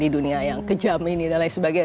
di dunia yang kejam ini dan lain sebagainya